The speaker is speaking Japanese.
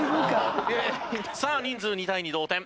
さあ人数２対２同点。